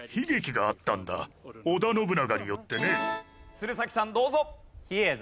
鶴崎さんどうぞ。